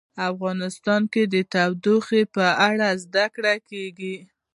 افغانستان کې د تودوخه په اړه زده کړه کېږي.